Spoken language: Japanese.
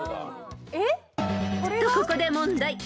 ［とここで問題］